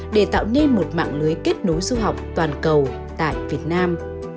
để tạo nên một mạng lưới kết nối du học toàn cầu tại việt nam